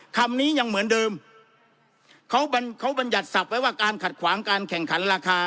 คำนี้ยังเหมือนเดิมเขาบรรเขาบรรยัติศัพท์ไว้ว่าการขัดขวางการแข่งขันราคา